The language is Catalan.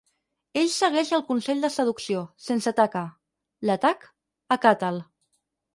Ell segueix el consell de seducció, sense taca: «l'atac, acata'l».